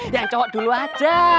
yang cowok dulu aja